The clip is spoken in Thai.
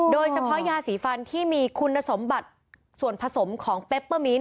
โดยเฉพาะยาสีฟันที่มีคุณสมบัติส่วนผสมของเปปเปอร์มีน